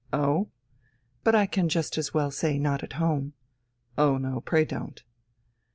"Oh?" "But I can just as well say 'Not at home.'" "Oh no, pray don't."